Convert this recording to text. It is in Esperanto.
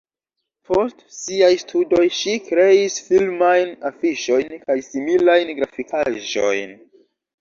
Post siaj studoj ŝi kreis filmajn afiŝojn kaj similajn grafikaĵojn.